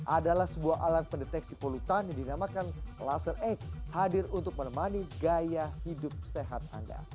adalah sebuah alat pendeteksi polutan yang dinamakan laser delapan hadir untuk menemani gaya hidup sehat anda